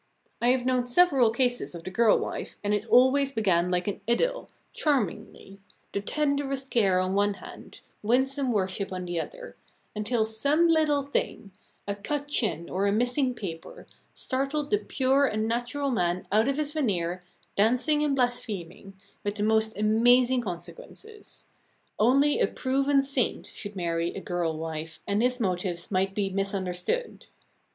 I have known several cases of the girl wife, and it always began like an idyll, charmingly; the tenderest care on one hand, winsome worship on the other until some little thing, a cut chin or a missing paper, startled the pure and natural man out of his veneer, dancing and blaspheming, with the most amazing consequences. Only a proven saint should marry a girl wife, and his motives might be misunderstood.